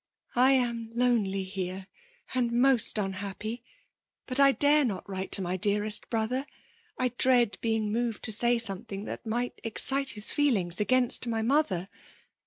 I am lonely here, and most unhappy ; but I dare not write to my dearest brother. I dread being moved to say something that might exoite his feelings against my mo* ther.